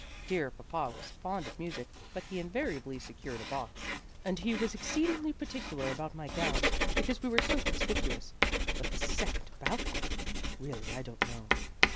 Dear papa was fond of music, but he invariably secured a box, and he was exceedingly particu lar about my gowns because we were so con spicuous. But the second balcony! Really I don't know."